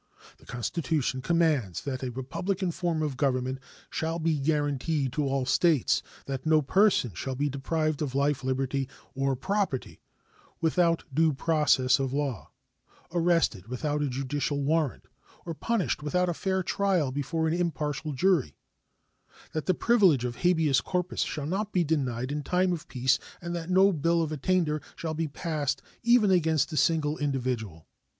The Constitution commands that a republican form of government shall be guaranteed to all the States; that no person shall be deprived of life, liberty, or property without due process of law, arrested without a judicial warrant, or punished without a fair trial before an impartial jury; that the privilege of habeas corpus shall not be denied in time of peace, and that no bill of attainder shall be passed even against a single individual.